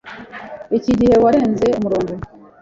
Iki gihe, warenze umurongo!